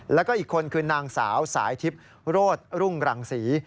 แล้วก็อีกคนคือนางสาวสายทิพย์โรธรุ่งรังศรี